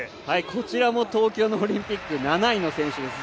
こちらも東京オリンピック７位の選手です。